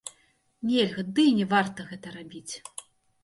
Нельга, ды і не варта гэта рабіць.